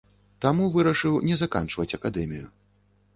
Таму вырашыў не заканчваць акадэмію.